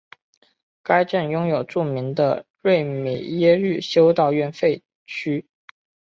该镇拥有著名的瑞米耶日修道院废墟。